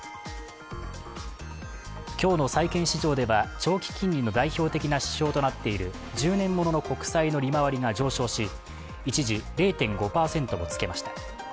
今日の債券市場では長期金利の代表的な指標となっている１０年ものの国債の利回りが上昇し一時、０．５％をつけました。